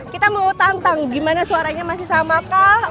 kita mau tantang gimana suaranya masih sama kah